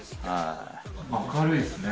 明るいですね。